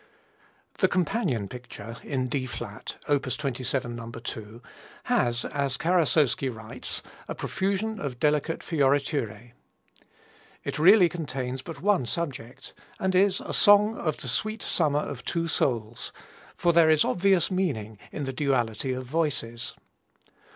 The companion picture in D flat, op. 27, No. 2, has, as Karasowski writes, "a profusion of delicate fioriture." It really contains but one subject, and is a song of the sweet summer of two souls, for there is obvious meaning in the duality of voices.